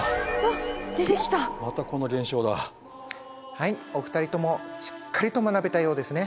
はいお二人ともしっかりと学べたようですね。